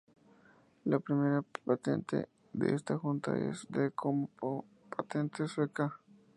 La primera patente de esta junta, es del como patente sueca.